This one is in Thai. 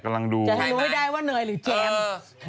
จะให้รู้ให้ได้ว่าเนยหรือแจม